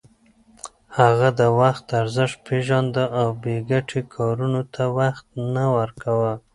هغه د وخت ارزښت پېژانده او بې ګټې کارونو ته وخت نه ورکاوه.